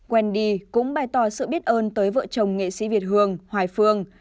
wendy cũng bài tỏ sự biết ơn tới vợ chồng nghệ sĩ việt hương hoài phương